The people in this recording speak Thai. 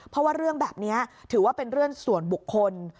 เพราะว่าเรื่องแบบนี้ถือว่าเป็นเรื่องส่วนบุคคล